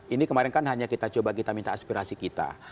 ini kemarin kan hanya kita coba kita minta aspirasi kita